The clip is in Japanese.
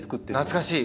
懐かしい！